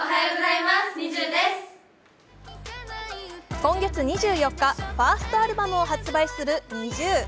今月２４日、ファーストアルバムを発売するＮｉｚｉＵ。